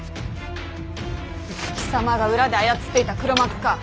貴様が裏で操っていた黒幕か？